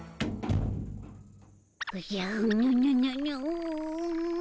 おじゃうぬぬぬぬん。